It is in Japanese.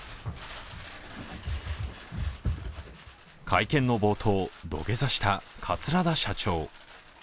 会見の冒頭、土下座した桂田社長。